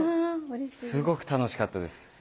すごく楽しかったです。